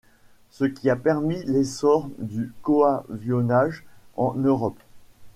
Ce qui a permis l'essor du coavionnage en Europe.